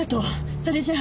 それじゃあ。